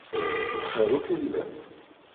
Bxiṛ akk i llant.